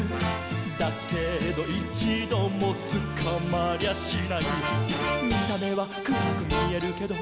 「だけどいちどもつかまりゃしない」「見た目はくらくみえるけど」